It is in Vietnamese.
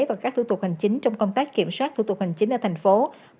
và các thủ tục hành chính trong công tác kiểm soát thủ tục hành chính ở thành phố